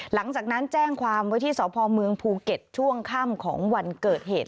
หลังจากนั้นแจ้งความไว้ที่สพเมืองภูเก็ตช่วงค่ำของวันเกิดเหตุ